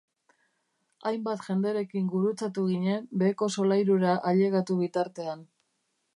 Hainbat jenderekin gurutzatu ginen beheko solairura ailegatu bitartean.